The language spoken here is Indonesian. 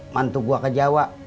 mantuk gua ke jawa